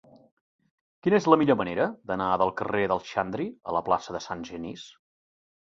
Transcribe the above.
Quina és la millor manera d'anar del carrer d'en Xandri a la plaça de Sant Genís?